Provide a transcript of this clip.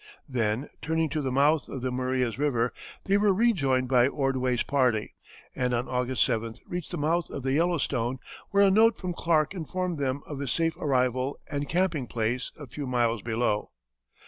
Then turning to the mouth of the Maria's River, they were rejoined by Ordway's party, and on August 7th reached the mouth of the Yellowstone, where a note from Clark informed them of his safe arrival and camping place a few miles below.